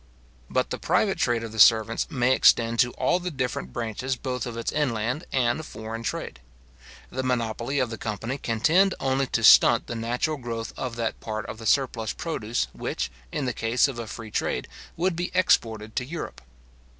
But the private trade of the servants may extend to all the different branches both of its inland and foreign trade. The monopoly of the company can tend only to stunt the natural growth of that part of the surplus produce which, in the case of a free trade, would be exported to Europe.